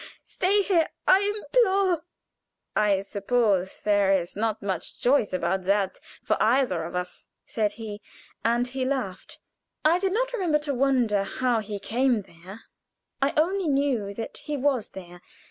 Stay here!" I implored. "I suppose there is not much choice about that for either of us," said he, and he laughed. I did not remember to wonder how he came there; I only knew that he was there.